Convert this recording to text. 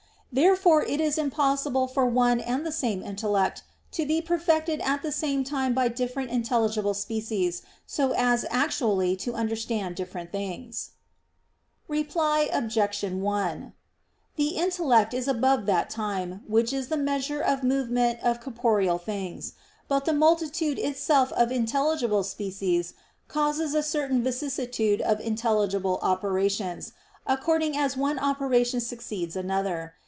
Therefore it is impossible for one and the same intellect to be perfected at the same time by different intelligible species so as actually to understand different things. Reply Obj. 1: The intellect is above that time, which is the measure of the movement of corporeal things. But the multitude itself of intelligible species causes a certain vicissitude of intelligible operations, according as one operation succeeds another.